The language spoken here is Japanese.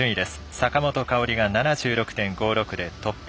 坂本花織が７６．５６でトップ。